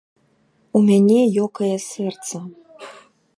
У мяне ёкае сэрца.